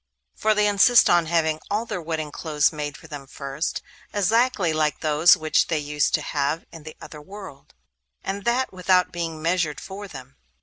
For they insist on having all their wedding clothes made for them first, exactly like those which they used to have in the other world, and that without being measured for them.